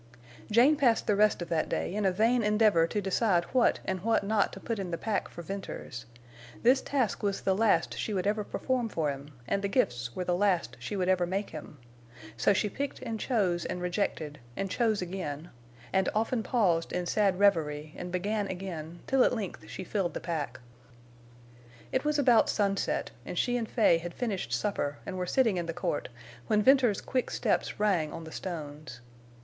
Jane passed the rest of that day in a vain endeavor to decide what and what not to put in the pack for Venters. This task was the last she would ever perform for him, and the gifts were the last she would ever make him. So she picked and chose and rejected, and chose again, and often paused in sad revery, and began again, till at length she filled the pack. It was about sunset, and she and Fay had finished supper and were sitting in the court, when Venters's quick steps rang on the stones.